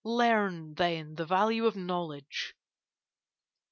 Learn, then, the value of knowledge.